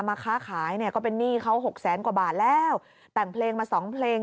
ค้าขายเนี่ยก็เป็นหนี้เขาหกแสนกว่าบาทแล้วแต่งเพลงมาสองเพลง